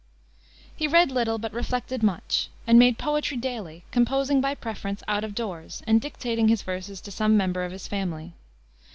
He read little, but reflected much, and made poetry daily, composing, by preference, out of doors, and dictating his verses to some member of his family.